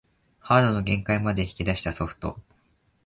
ハードの限界まで引き出したソフト